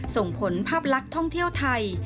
ส่งผลภาพลักษณ์ท่องเที่ยวไทย